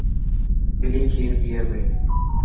ٻلي کير پيي پئي.